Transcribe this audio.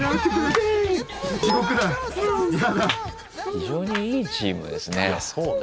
非常にいいチームですね。